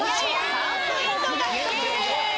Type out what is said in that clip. ３ポイント獲得です。